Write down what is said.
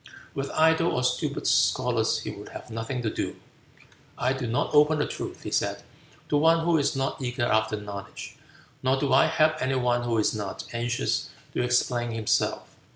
With idle or stupid scholars he would have nothing to do. "I do not open the truth," he said, "to one who is not eager after knowledge, nor do I help any one who is not anxious to explain himself.